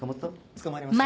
つかまりました。